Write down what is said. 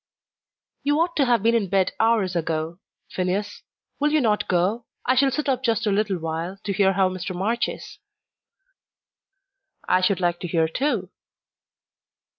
"You ought to have been in bed hours ago, Phineas. Will you not go? I shall sit up just a little while, to hear how Mr. March is." "I should like to hear, too.